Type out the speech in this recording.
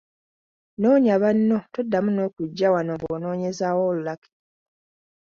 Noonya banno, toddamu n’okujja wano mbu onoonyezaawo Lucky.